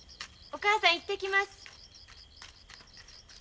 おかぁさん行ってきます。